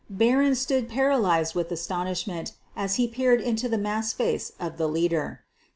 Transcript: Barron stood paralyzed with astonish ment as he peered into the masked face of the leader.